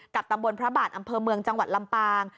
ตำบลพระบาทอำเภอเมืองจังหวัดลำปาง